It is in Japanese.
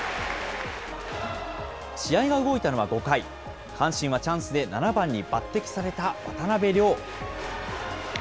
試合が動いたのは５回、阪神はチャンスで７番に抜てきされた渡邉諒。